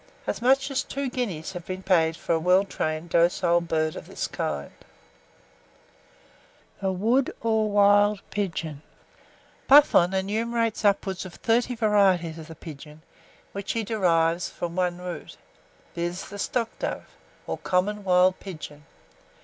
As much as two guineas have been paid for a well trained docile bird of this kind. [Illustration: WOOD PIGEON.] THE WOOD, OR WILD PIGEON. Buffon enumerates upwards of thirty varieties of the pigeon, which he derives from one root, viz. the stockdove, or common wild pigeon.